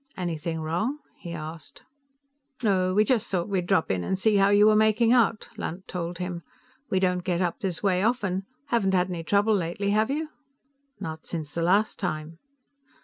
"Anything wrong?" he asked. "No; just thought we'd drop in and see how you were making out," Lunt told him. "We don't get up this way often. Haven't had any trouble lately, have you?" "Not since the last time."